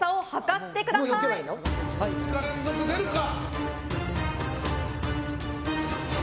２日連続出るか？